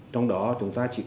trong đó chúng ta chỉ cần